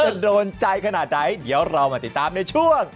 โดนใจขนาดไหนเดี๋ยวเรามาติดตามในช่วง